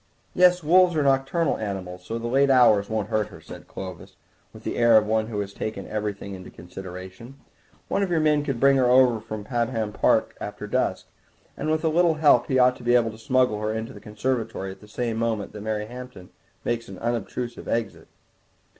"Yes, wolves are nocturnal animals, so the late hours won't hurt her," said Clovis, with the air of one who has taken everything into consideration; "one of your men could bring her over from Pabham Park after dusk, and with a little help he ought to be able to smuggle her into the conservatory at the same moment that Mary Hampton makes an unobtrusive exit."